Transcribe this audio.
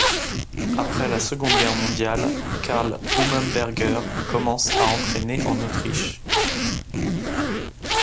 Après la Seconde Guerre mondiale, Karl Humenberger commence à entraîner en Autriche.